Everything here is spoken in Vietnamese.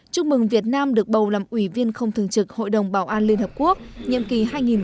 chúc mừng việt nam được bầu làm ủy viên không thường trực hội đồng bảo an liên hợp quốc nhiệm kỳ hai nghìn hai mươi hai nghìn hai mươi một